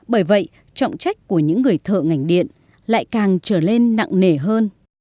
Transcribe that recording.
bởi vậy trọng trách của những người thợ ngành điện lại càng trở lên nặng nể hơn